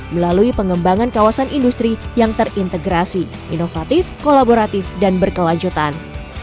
melalui pengembangan kawasan industri yang terintegrasi inovatif kolaboratif dan berkelanjutan